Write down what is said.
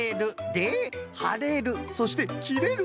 で「はれる」そして「きれる」。